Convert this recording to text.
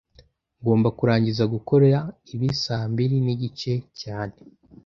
Ngomba kurangiza gukora ibi saa mbiri nigice cyane